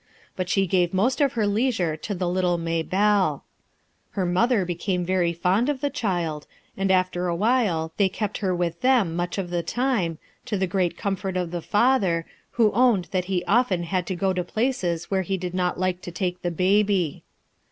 But .she gave most of her leisure to the little Maybclle, Her mother became very fond of the child, and after a while they kept her with them much of the time, to the great comfort of the father, who owned that he often had to go to places where he did not like to take the baby.